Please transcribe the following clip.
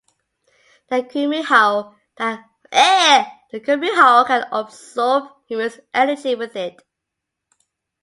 The kumiho can absorb humans' energy with it.